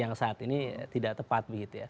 yang saat ini tidak tepat begitu ya